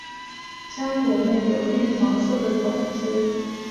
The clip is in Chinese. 浆果内有绿黄色的种子。